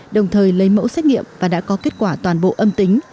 đồng thời lấy mẫu xét nghiệm và đã có kết quả toàn bộ âm tính